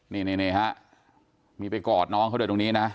นี่ฮะมีไปกอดน้องเขาด้วยตรงนี้นะ